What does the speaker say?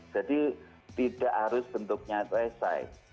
jadi tidak harus bentuknya si